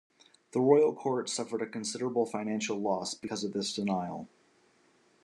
The Royal Court suffered a considerable financial loss because of this denial.